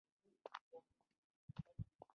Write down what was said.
تر ټولو ژوره څېړنه شوې ده.